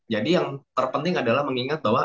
jadi yang terpenting adalah mengingat bahwa